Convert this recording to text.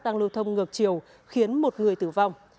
đang lưu thông ngược chiều khiến một người tử vong